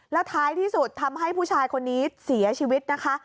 แล้วท้ายที่สุดทำให้ผู้ชายคนนี้เสียชีวิตนะคะ